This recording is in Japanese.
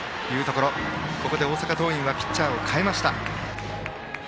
ここで大阪桐蔭はピッチャーを代えました。